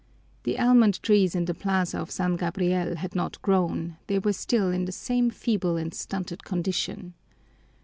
The almond trees in the plaza of San Gabriel had not grown; they were still in the same feeble and stunted condition.